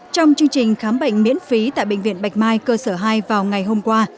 trong chương trình khám bệnh miễn phí tại bệnh viện bạch mai cơ sở hai vào ngày hôm qua